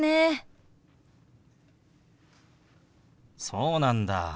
そうなんだ。